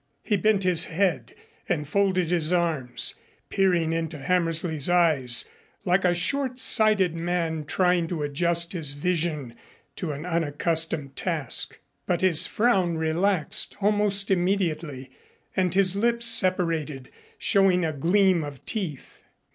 He bent his head and folded his arms, peering into Hammersley's eyes like a short sighted man trying to adjust his vision to an unaccustomed task. But his frown relaxed almost immediately and his lips separated, showing a gleam of teeth.